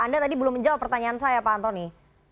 anda tadi belum menjawab pertanyaan saya pak antoni